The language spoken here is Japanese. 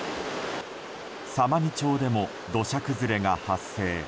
様似町でも土砂崩れが発生。